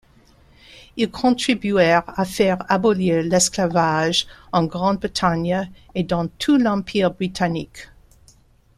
Ils contribuèrent à faire abolir l'esclavage en Grande-Bretagne et dans tout l'Empire britannique.